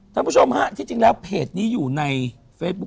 ท่านผู้ชมฮะที่จริงแล้วเพจนี้อยู่ในเฟซบุ๊ค